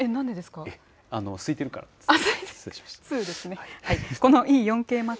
すいてるからです。